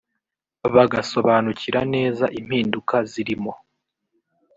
bagasobanukira neza impinduka ziririmo